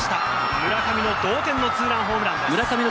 村上の同点のツーランホームラン。